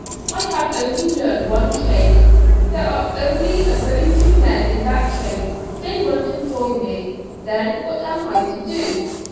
I have only learnt one trade, there are only a very few men in that trade, they won't employ me; then what am I to do?